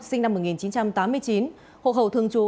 sinh năm một nghìn chín trăm tám mươi chín hộ khẩu thường trú